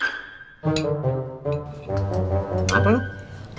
kalau ternyata kontrakan kita yang mau dijual